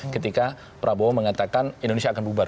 karena prabowo mengatakan indonesia akan bubar dua ribu tiga puluh